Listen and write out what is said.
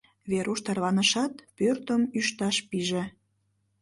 Веруш тарванышат, пӧртым ӱшташ пиже.